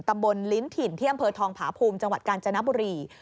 ตำบลลิ้นถิ่นที่อำเภอทองผาภูมิจังหวัดกาญจนบุรี